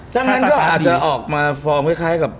ถ้างั้นก็อาจจะออกมาฟอร์มคล้ายกับ